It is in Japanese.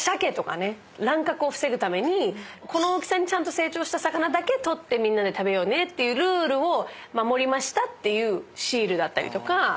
乱獲を防ぐためにこの大きさに成長した魚だけ取ってみんなで食べようねってルールを守りましたっていうシールだったりとか。